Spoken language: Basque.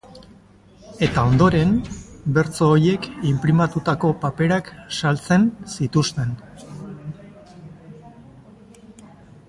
Eta ondoren, bertso horiek inprimatutako paperak saltzen zituzten.